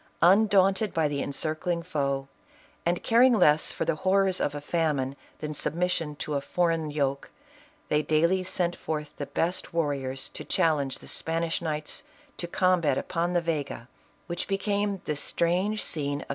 Undaunted by the encircling foe, and caring less for the horrors of a famine than sub mission to a foreign yoke, they daily sent forth the best warriors to challenge the Spanish kuights to com bat upon the Vega, which became the strange scene of 114 ISABELLA OF CASTILE.